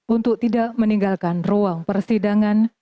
untuk tidak meninggalkan ruang persidangan